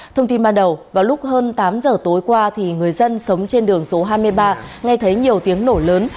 thông tin ban đầu vào lúc hơn tám giờ tối qua người dân sống trên đường số hai mươi ba nghe thấy nhiều tiếng nổ lớn